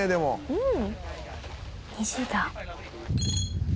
「うん」